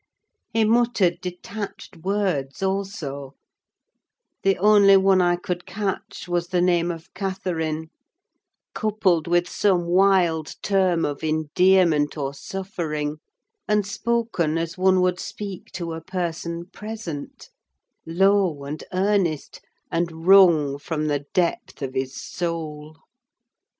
He muttered detached words also; the only one I could catch was the name of Catherine, coupled with some wild term of endearment or suffering; and spoken as one would speak to a person present; low and earnest, and wrung from the depth of his soul.